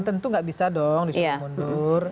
tentu nggak bisa dong disuruh mundur